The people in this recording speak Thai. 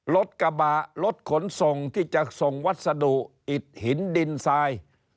รถกระบะรถขนส่งที่จะส่งวัสดุอิดหินดินทราย